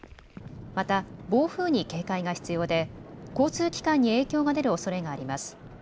また、暴風に警戒が必要で交通機関に影響が出るおそれがあります。